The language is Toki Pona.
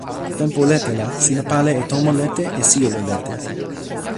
tenpo lete la sina pali e tomo lete e sijelo lete.